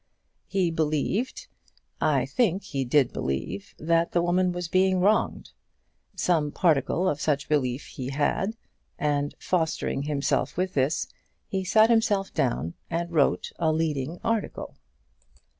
He believed I think he did believe that the woman was being wronged. Some particle of such belief he had, and fostering himself with this, he sat himself down, and wrote a leading article.